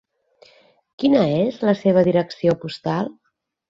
Quina és la seva direcció postal?